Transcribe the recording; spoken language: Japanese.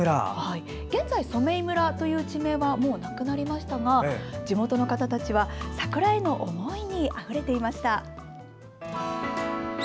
現在、染井村という地名はもうなくなりましたが地元の方たちは桜への思いにあふれていました。